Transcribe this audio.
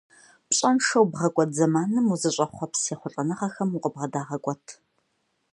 Пщӏэншэу бгъэкӏуэд зэманым узыщӏэхъуэпс ехъулӏэныгъэхэм укъыбгъэдагъэкӏуэт.